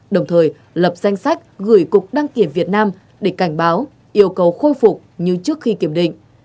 đồng thời lập danh sách gửi cục đăng kiểm việt nam để cảnh báo yêu cầu khôi phục như trước khi kiểm định